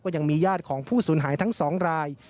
ยังมีญาติของผู้สูญหายทั้ง๒ราย